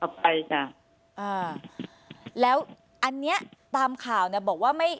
ไปจ้ะอ่าแล้วอันเนี้ยตามข่าวเนี้ยบอกว่าไม่